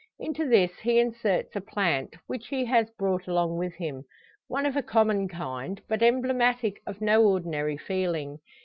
Into this he inserts a plant, which he has brought along with him one of a common kind, but emblematic of no ordinary feeling.